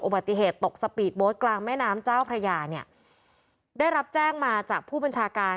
ปฏิเหตุตกสปีดโบ๊ทกลางแม่น้ำเจ้าพระยาเนี่ยได้รับแจ้งมาจากผู้บัญชาการ